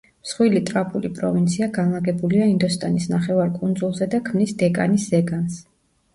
მსხვილი ტრაპული პროვინცია განლაგებულია ინდოსტანის ნახევარკუნძულზე და ქმნის დეკანის ზეგანს.